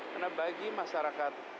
karena bagi masyarakat